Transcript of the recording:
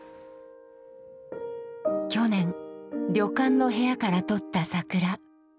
去年旅館の部屋から撮った桜。